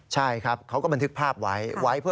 ใช่ครับเขาก็บันทึกภาพไว้